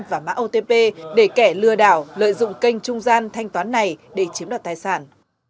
và mã otp để kẻ lừa đảo lợi dụng kênh trung gian thanh toán này để chiếm đoạt tài sản